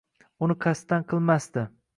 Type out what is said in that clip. Buni qasddan qilmasdi.